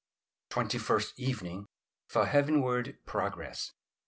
TWENTY FIRST EVENING. FOR HEAVENWARD PROGRESS.